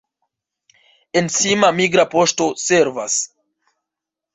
En Sima migra poŝto servas.